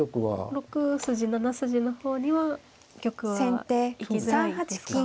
６筋７筋の方には玉は行きづらいですか。